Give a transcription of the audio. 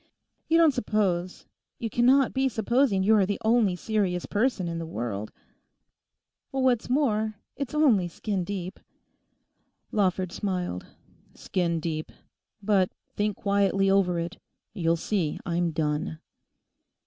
You don't suppose, you cannot be supposing you are the only serious person in the world? What's more, it's only skin deep.' Lawford smiled. 'Skin deep. But think quietly over it; you'll see I'm done.